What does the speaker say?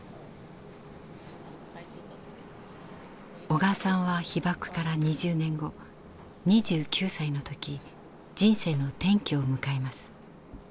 小川さんは被爆から２０年後２９歳の時人生の転機を迎えます。